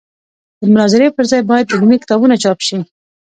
د مناظرې پر ځای باید علمي کتابونه چاپ شي.